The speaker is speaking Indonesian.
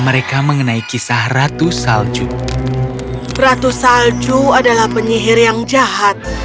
ratu salju adalah penyihir yang jahat